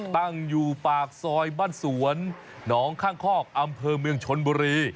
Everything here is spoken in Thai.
ตั้งอยู่ปากซอยบ้านสวนหนองข้างคอกอำเภอเมืองชนบุรี